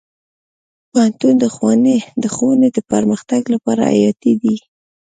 پوهنتون د ښوونې د پرمختګ لپاره حیاتي دی.